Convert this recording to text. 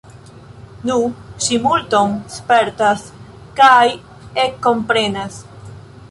Nu, ŝi multon spertas, kaj ekkomprenas.